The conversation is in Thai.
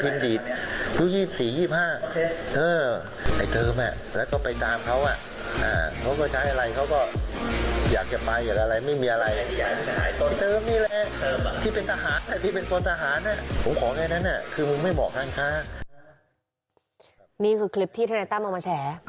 นี่คือคลิปที่ท่านไนต้ำเอามาแชร์